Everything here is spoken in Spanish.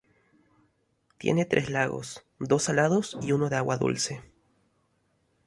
Tiene tres lagos, dos salados y uno de agua dulce.